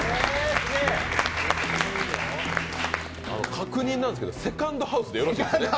確認なんですけどセカンドハウスでよろしいですね？